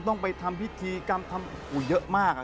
ต้องไปทำพิธีกรรมทำเยอะมาก